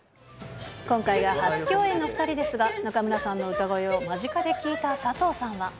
今回が初共演の２人ですが、中村さんの歌声を間近で聴いた佐藤さんは。